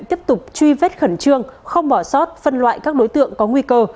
tiếp tục truy vết khẩn trương không bỏ sót phân loại các đối tượng có nguy cơ